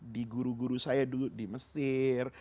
di guru guru saya dulu di mesir